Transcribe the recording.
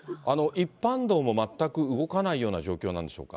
一般道も全く動かないような状況なんでしょうか。